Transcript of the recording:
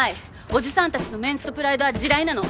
おじさんたちのメンツとプライドは地雷なの。